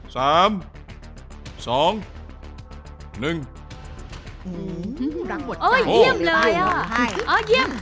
สามสองหนึ่งอ๋อเยี่ยมเลยอ่ะอ๋อเยี่ยม